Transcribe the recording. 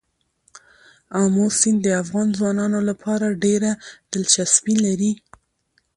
آمو سیند د افغان ځوانانو لپاره ډېره دلچسپي لري.